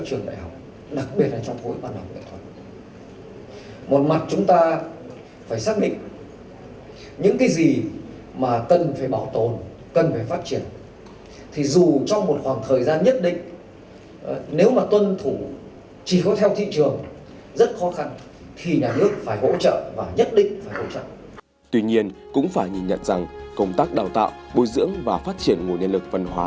tuy nhiên cũng phải nhìn nhận rằng công tác đào tạo bôi dưỡng và phát triển nguồn nhân lực văn hóa